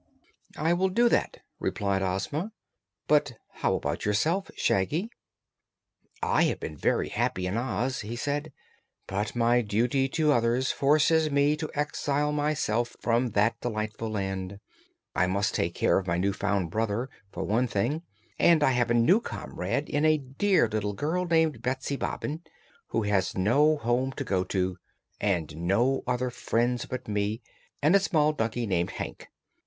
"I will do that," replied Ozma. "But how about yourself, Shaggy?" "I have been very happy in Oz," he said, "but my duty to others forces me to exile myself from that delightful land. I must take care of my new found brother, for one thing, and I have a new comrade in a dear little girl named Betsy Bobbin, who has no home to go to, and no other friends but me and a small donkey named Hank.